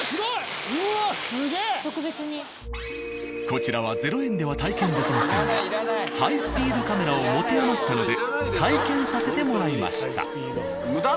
こちらは０円では体験できませんがハイスピードカメラを持て余したので体験させてもらいました。